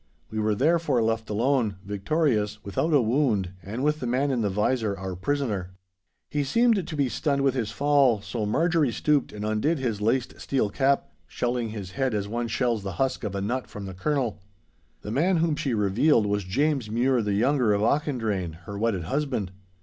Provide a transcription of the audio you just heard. We were therefore left alone, victorious, without a wound, and with the man in the visor, our prisoner. He seemed to be stunned with his fall, so Marjorie stooped and undid his laced steel cap, shelling his head as one shells the husk of a nut from the kernel. The man whom she revealed was James Mure the younger of Auchendrayne, her wedded husband.